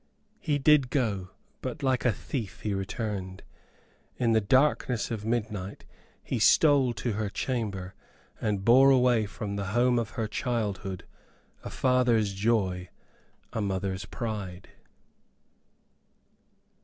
He did go, but like a thief he returned. In the darkness of midnight he stole to her chamber, and bore away from the home of her childhood, "a father's joy, a mother's pride."